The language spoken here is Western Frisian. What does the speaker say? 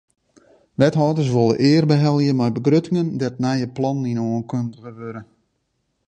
Wethâlders wolle eare behelje mei begruttingen dêr't nije plannen yn oankundige wurde.